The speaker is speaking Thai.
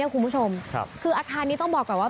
คุณผู้ชมคืออาคารนี้ต้องบอกก่อนว่า